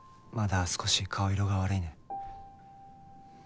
まだ少し顔色が悪いね。